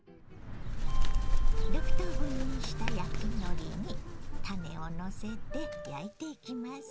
６等分にした焼きのりにたねをのせて焼いていきます。